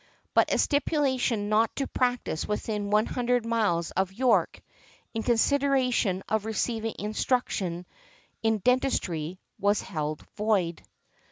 But a stipulation not to practise within one hundred miles of York, in consideration of receiving instruction in dentistry, was held void .